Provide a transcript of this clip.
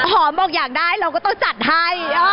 หอมบอกอยากได้เราก็ต้องจัดให้